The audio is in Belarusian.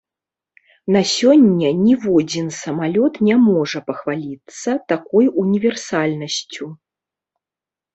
На сёння ніводзін самалёт не можа пахваліцца такой універсальнасцю.